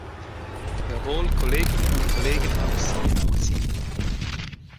Jawohl, Kolleginnen und Kollegen, auch Sie, auch Sie!